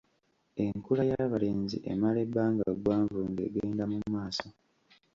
Enkula y'abalenzi emala ebbanga ggwanvu ng'egenda mu maaso.